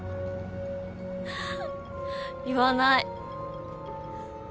言わない。